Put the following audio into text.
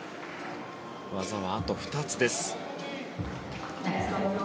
技はあと２つです。